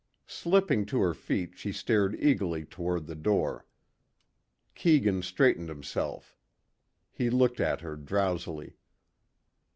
Slipping to her feet she stared eagerly toward the door. Keegan straightened himself. He looked at her drowsily.